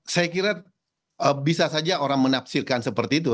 saya kira bisa saja orang menafsirkan seperti itu